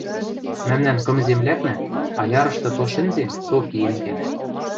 Мӓмнӓн кым землякнӓ аярышты то шӹнзен, то киэн кӓнӓт.